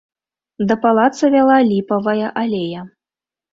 Да палаца вяла ліпавая алея.